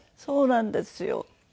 そうなんですよ。